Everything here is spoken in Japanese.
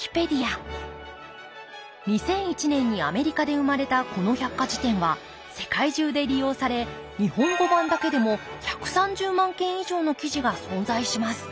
２００１年にアメリカで生まれたこの百科事典は世界中で利用され日本語版だけでも１３０万件以上の記事が存在します